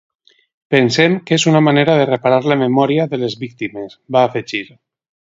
Pensem que és una manera de reparar la memòria de les víctimes, va afegir.